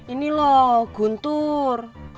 ini loh guntur